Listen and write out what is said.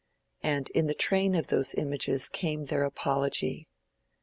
And in the train of those images came their apology.